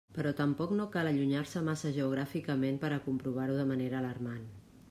Però tampoc no cal allunyar-se massa geogràficament per a comprovar-ho de manera alarmant.